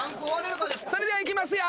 それではいきますよ。